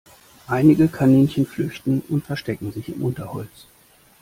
Einige Kaninchen flüchten und verstecken sich im Unterholz.